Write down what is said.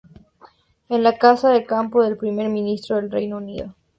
Es la casa de campo del Primer Ministro del Reino Unido.